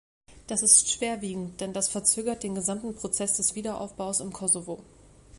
Das ist schwerwiegend, denn das verzögert den gesamten Prozess des Wiederaufbaus im Kosovo.